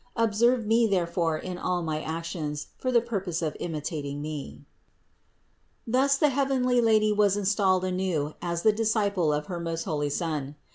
Observe me therefore in all my actions for the purpose of imitat ing Me." 694. Thus the heavenly Lady was installed anew as the Disciple of her most holy Son.